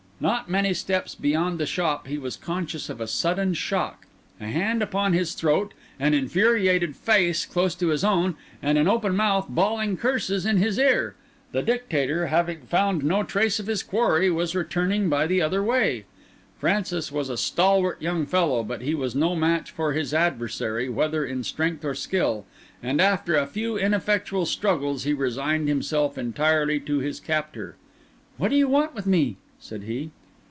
Not many steps beyond the shop he was conscious of a sudden shock, a hand upon his throat, an infuriated face close to his own, and an open mouth bawling curses in his ear. The Dictator, having found no trace of his quarry, was returning by the other way. Francis was a stalwart young fellow; but he was no match for his adversary whether in strength or skill; and after a few ineffectual struggles he resigned himself entirely to his captor. "What do you want with me?" said he.